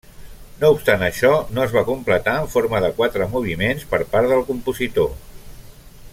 No obstant això, no es va completar en forma de quatre moviments per part compositor.